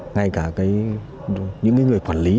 ngay cả những người quản lý